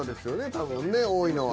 多分ね多いのは。